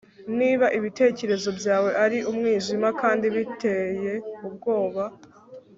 niba ibitekerezo byawe ari umwijima kandi biteye ubwoba